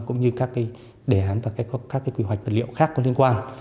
cũng như các đề án và các quy hoạch vật liệu khác có liên quan